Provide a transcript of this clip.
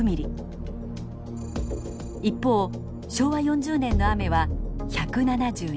一方昭和４０年の雨は１７２ｍｍ。